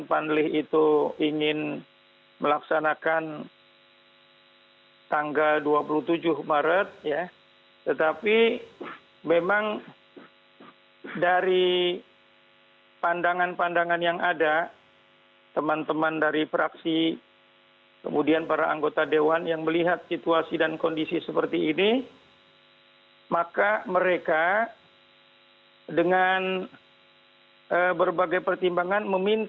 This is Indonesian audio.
kalau kemarin ya seakan akan